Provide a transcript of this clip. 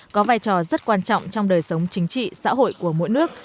có vai trò rất quan trọng trong đời sống chính trị xã hội của mỗi nước